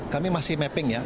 kami masih mapping ya